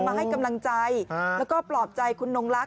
มาให้กำลังใจแล้วก็ปลอบใจคุณนงลักษ